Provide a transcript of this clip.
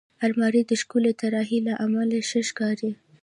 الماري د ښکلې طراحۍ له امله ښه ښکاري